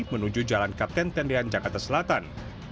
menuju jalan kapten tendian jakarta selatan